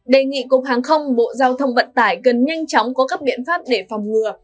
đề nghị cục hàng không bộ giao thông vận tải cần nhanh chóng có các biện pháp để phòng ngừa